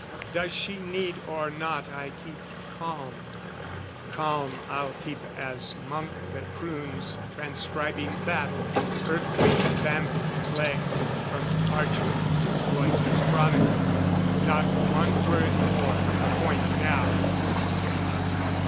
Does she need or not I keep calm? Calm I'll keep as monk that croons Transcribing battle, earthquake, famine, plague, From parchment to his cloister's chronicle. Not one word more from the point now!